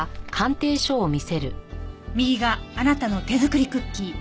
右があなたの手作りクッキー。